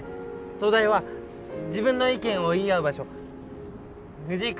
東大は自分の意見を言い合う場所藤井君